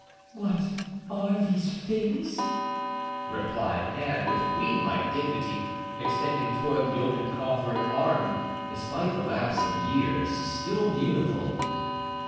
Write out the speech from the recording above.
"What are these things?" replied Anne, with queen like dignity, extending toward the open coffer an arm, despite the lapse of years, still beautiful.